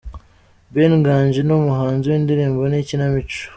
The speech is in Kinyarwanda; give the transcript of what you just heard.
Ben Nganji, ni umuhanzi w’indirimbo n’ikinamico.